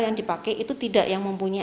yang dipakai itu tidak yang mempunyai